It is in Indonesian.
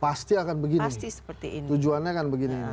pasti akan begini pasti seperti ini tujuannya akan begini